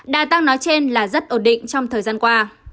đa tăng nói trên là rất ổn định trong thời gian qua